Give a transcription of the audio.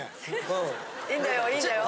良いんだよ良いんだよ。